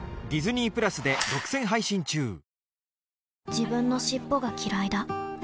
自分の尻尾がきらいだ